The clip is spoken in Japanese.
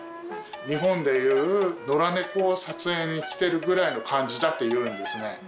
日本で言う野良猫を撮影に来てるぐらいの感じだって言うんですね。